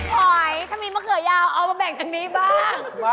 หอยถ้ามีมะเขือยาวเอามาแบ่งตรงนี้บ้าง